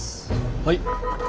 はい。